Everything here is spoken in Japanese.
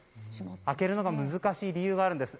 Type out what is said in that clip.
開けるのが難しい理由があります。